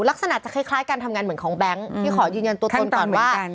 ลักษณะจะคล้ายการทำงานเหมือนของแบงค์ที่ขอยืนยันตัวตนก่อนว่า